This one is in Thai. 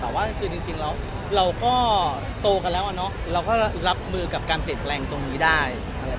แต่ว่าคือจริงแล้วเราก็โตกันแล้วอะเนาะเราก็รับมือกับการเปลี่ยนแปลงตรงนี้ได้